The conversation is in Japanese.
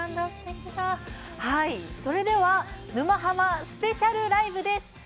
それでは「沼ハマ」スペシャルライブです。